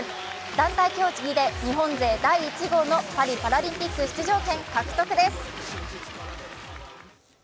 団体競技で日本勢第１号のパリパラリンピック出場権獲得です。